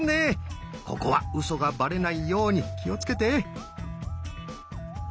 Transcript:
ここはウソがバレないように気をつけて。